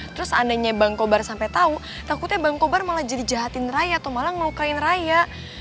terus seandainya bang kobar sampai tahu takutnya bang kobar malah jadi jahatin raya atau malah mau kerain raya